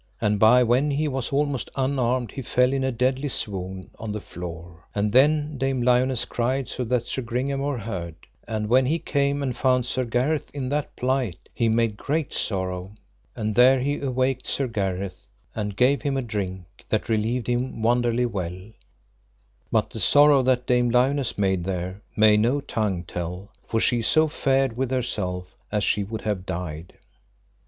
And by when he was almost unarmed he fell in a deadly swoon on the floor; and then Dame Lionesse cried so that Sir Gringamore heard; and when he came and found Sir Gareth in that plight he made great sorrow; and there he awaked Sir Gareth, and gave him a drink that relieved him wonderly well; but the sorrow that Dame Lionesse made there may no tongue tell, for she so fared with herself as she would have died.